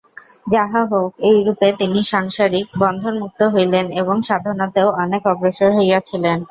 যাহা হউক, এইরূপে তিনি সাংসারিক বন্ধনমুক্ত হইলেন এবং সাধনাতেও অনেক অগ্রসর হইয়াছিলেন।